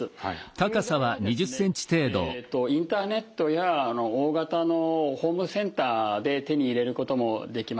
インターネットや大型のホームセンターで手に入れることもできます。